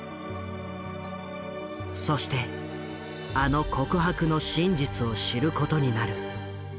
そしてあの告白の真実を知ることになる。